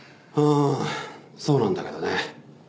うんそうなんだけどね。